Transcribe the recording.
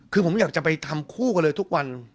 คือผมอยากจะไปทำคู่กันเลยทุกวัน